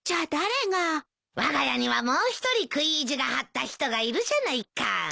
わが家にはもう一人食い意地が張った人がいるじゃないか。